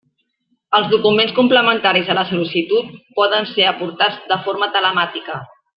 Els documents complementaris a la sol·licitud poden ser aportats de forma telemàtica.